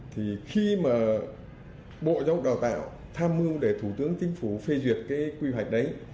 thì khi mà bộ giáo dục đào tạo tham mưu để thủ tướng chính phủ phê duyệt cái quy hoạch đấy